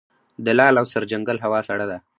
د لعل او سرجنګل هوا سړه ده